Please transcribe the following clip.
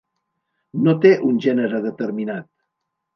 No té un gènere determinat.